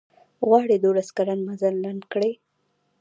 غواړي دولس کلن مزل لنډ کړي.